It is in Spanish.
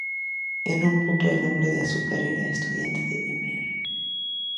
En un punto el Hombre de Azúcar era un estudiante de Mr.